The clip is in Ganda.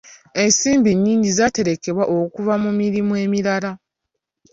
Ensimbi nnyingi zaaterekebwa okuva mu mirimu emirala.